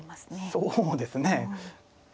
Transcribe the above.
そうですね。